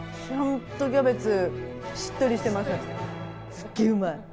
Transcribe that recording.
すっげえうまい。